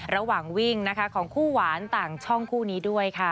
ระหว่างวิ่งนะคะของคู่หวานต่างช่องคู่นี้ด้วยค่ะ